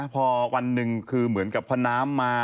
พอวันหนึ่งคือเหมือนกับพอน้ำมา